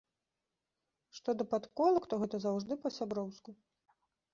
Што да падколак, то гэта заўжды па-сяброўску.